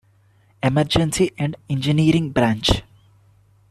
Emergency and engineering branch.